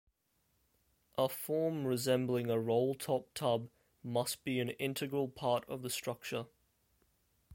A form resembling a roll-top tub must be an integral part of the structure.